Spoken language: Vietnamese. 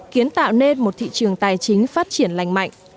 kiến tạo nên một thị trường tài chính phát triển lành mạnh